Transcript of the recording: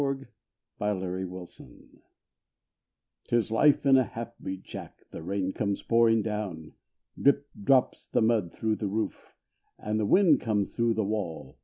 LIFE IN A HALF BREED SHACK 'Tis life in a half breed shack, The rain comes pouring down; "Drip" drops the mud through the roof, And the wind comes through the wall.